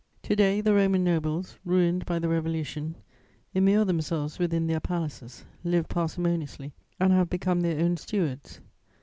To day, the Roman nobles, ruined by the Revolution, immure themselves within their palaces, live parsimoniously and have become their own stewards.